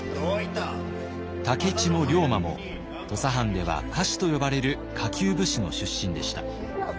武市も龍馬も土佐藩では下士と呼ばれる下級武士の出身でした。